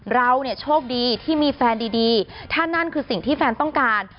เราเนี่ยโชคดีที่มีแฟนดีถ้านั่นคือสิ่งที่แฟนต้องการ